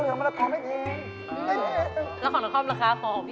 แล้วของนครราคาครึ่งของพี่ครอบคุณ